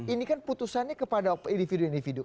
ini kan putusannya kepada individu individu